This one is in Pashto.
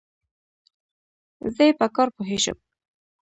زه ئې په کار پوهېږم.